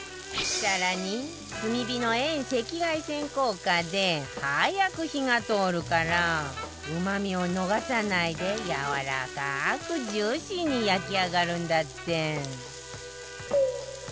更に炭火の遠赤外線効果で早く火が通るからうまみを逃さないでやわらかくジューシーに焼き上がるんだって